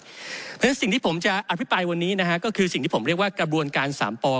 เพราะฉะนั้นสิ่งที่ผมจะอภิปรายวันนี้นะฮะก็คือสิ่งที่ผมเรียกว่ากระบวนการ๓ป